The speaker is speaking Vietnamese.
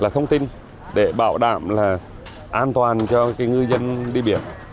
thông tin để bảo đảm an toàn cho ngư dân đi biển